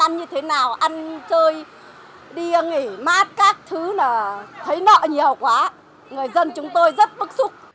như thế nào ăn chơi đi nghỉ mát các thứ là thấy nợ nhiều quá người dân chúng tôi rất bức xúc